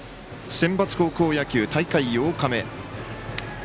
センバツ高校野球大会８日目。